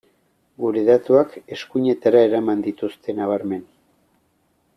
Gure datuak eskuinetara eraman dituzte nabarmen.